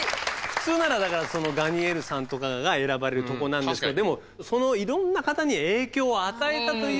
普通ならだからガニェールさんとかが選ばれるとこなんですけどでもいろんな方に影響を与えたという意味でこのティス博士がね。